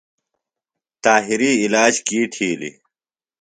طاہری علاج کی تِھیلیۡ؟